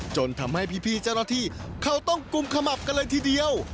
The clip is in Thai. จนทำให้พี่เจ้าหน้าที่เขาต้องกุมขมับกันเลยทีเดียว